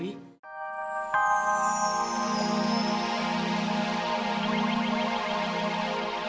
walaupun aku tau aku akan berusaha